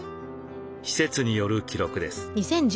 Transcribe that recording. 施設による記録です。